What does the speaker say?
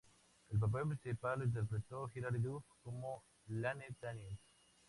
El papel principal lo interpretó Hilary Duff como Lane Daniels.